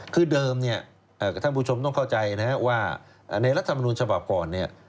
คือเดิมเนี่ยท่านผู้ชมต้องเข้าใจนะครับว่าในรัฐมนุนฉบับก่อนเนี่ย